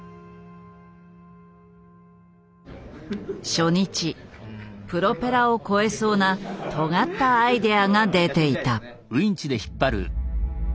初日プロペラを超えそうなとがったアイデアが出ていた。